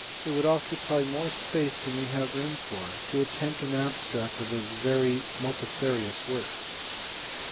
It would occupy more space than we have room for, to attempt an abstract of ms very multifarious works.